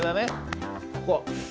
ここ。